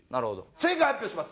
正解発表します。